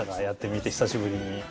やってみて久しぶりに。